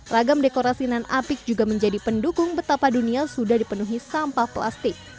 ragam dekorasi nan apik juga menjadi pendukung betapa dunia sudah dipenuhi sampah plastik